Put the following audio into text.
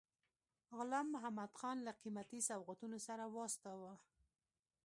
غلام محمدخان له قیمتي سوغاتونو سره واستاوه.